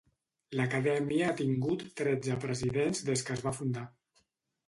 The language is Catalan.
L'Acadèmia ha tingut tretze presidents des que es va fundar.